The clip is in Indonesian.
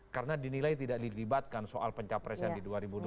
karena dinilai tidak dilibatkan soal pencapresen di dua ribu dua puluh empat